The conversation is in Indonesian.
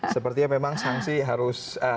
sepertinya memang sanksi harus